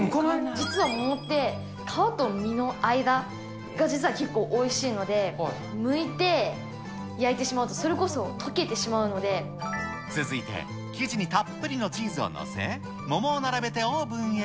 実は桃って、皮と実の間が、実は結構おいしいので、むいて焼いてしまうと、それこそ溶けてし続いて、生地にたっぷりのチーズを載せ、桃を並べてオーブンへ。